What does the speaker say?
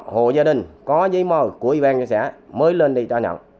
hộ gia đình có giấy mời của ủy ban nhân xã mới lên đi cho nhận